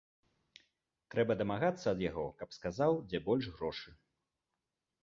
Трэба дамагацца ад яго, каб сказаў, дзе больш грошы.